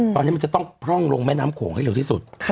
ตอนนี้มันจะต้องพร่องลงแม่น้ำโขงให้เร็วที่สุด